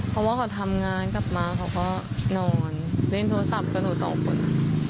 เพราะว่าเขาทำงานกลับมาเขาก็นอนเล่นโทรศัพท์กับหนูสองคน